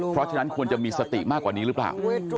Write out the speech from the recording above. เพราะฉะนั้นควรจะมีสติมากกว่านี้หรือเปล่า